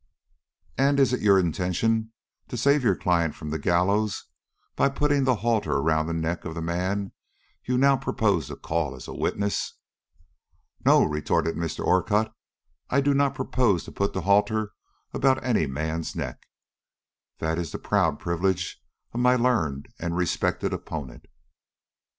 "And is it your intention to save your client from the gallows by putting the halter around the neck of the man you now propose to call as a witness?" "No," retorted Mr. Orcutt; "I do not propose to put the halter about any man's neck. That is the proud privilege of my learned and respected opponent."